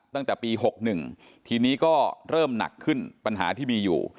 ตั้งแต่ปี๖๑ทีนี้ก็เริ่มหนักขึ้นปัญหาที่มีอยู่